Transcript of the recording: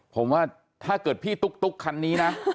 ผมว่าถ้าเกิดพี่ตุ๊กคันนี้นะ